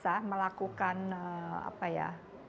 dengan terpaksa melakukan apa ya